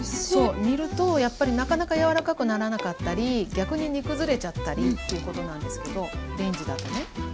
そう煮るとやっぱりなかなか柔らかくならなかったり逆に煮崩れちゃったりということなんですけどレンジだとね。